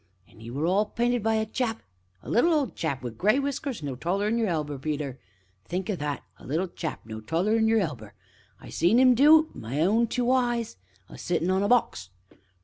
An' 'e were all painted by a chap a little old chap wi' gray whiskers no taller 'n your elber, Peter! Think o' that a little chap no taller 'n your elber! I seen 'im do it wi' my two eyes a sittin' on a box.